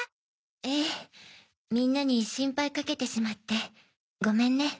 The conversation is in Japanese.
ええみんなに心配かけてしまってごめんね。